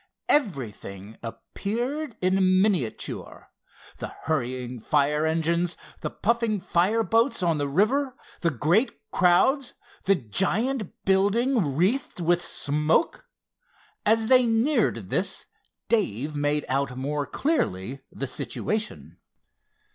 Everything appeared in miniature—the hurrying fire engines, the puffing fire boats on the river, the great crowds, the giant building wreathed with smoke. As they neared this Dave made out more clearly the situation.